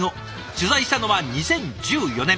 取材したのは２０１４年。